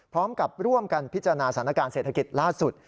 พร้อมกับร่วมกันพิจารณาสถานการณ์เศรษฐกิจล่าสุด